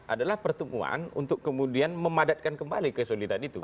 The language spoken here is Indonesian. adalah pertemuan untuk kemudian memadatkan kembali kesulitan itu